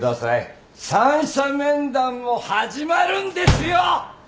三者面談も始まるんですよ！